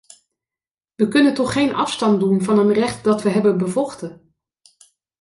We kunnen toch geen afstand doen van een recht dat we hebben bevochten?